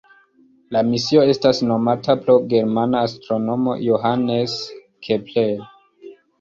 La misio estas nomata pro germana astronomo Johannes Kepler.